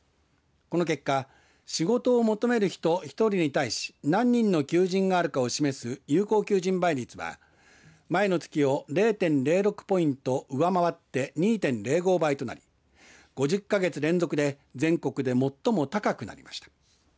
この結果仕事を求める人、１人に対し何人の求人があるかを示す有効求人倍率は前の月を０．０６ポイント上回って２．０５倍となり５０か月連続で全国で最も高くなりました。